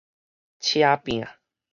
捙拚